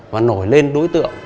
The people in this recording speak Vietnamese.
và nổi lên đối tượng